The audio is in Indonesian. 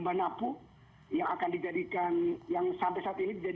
yang sampai saat ini dijadikan tempat persembunyian oleh kelompok ini